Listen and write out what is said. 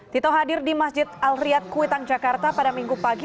tito hadir di masjid al riyad kuitang jakarta pada minggu pagi